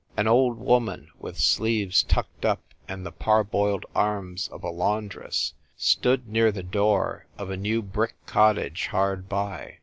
An old woman, with sleeves tucked up and the parboiled arms of a laundress, stood near the door of a new brick cottage hard by.